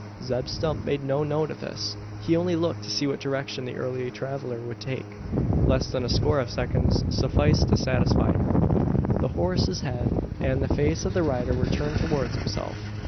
Zeb Stump made no note of this. He only looked to see what direction the early traveller would take. Less than a score of seconds sufficed to satisfy him. The horse's head and the face of the rider were turned towards himself.